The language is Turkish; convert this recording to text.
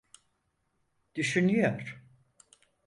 Düşünüyor.